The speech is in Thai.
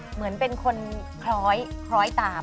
เหมือนเป็นคนคล้อยตาม